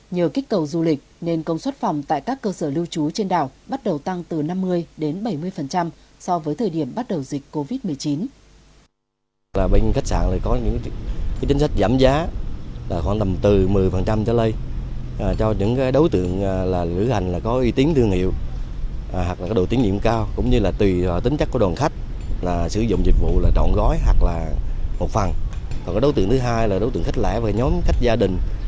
nhờ kích cầu du lịch nên công suất phòng tại các cơ sở lưu trú trên đảo bắt đầu tăng từ năm mươi đến bảy mươi so với thời điểm bắt đầu dịch covid một mươi chín